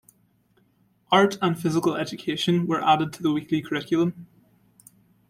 Art and physical education were added to the weekly curriculum.